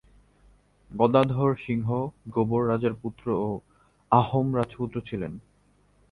গদাধর সিংহ গোবর রাজার পুত্র ও আহোম রাজপুত্র ছিলেন।